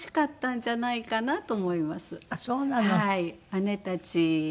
姉たち